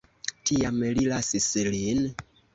Tiam li lasis lin.